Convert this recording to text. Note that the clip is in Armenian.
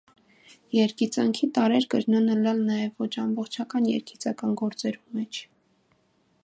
Երգիծանքի տարրեր կրնան ըլլալ նաեւ ոչ ամբողջական երգիծական գործերու մէջ։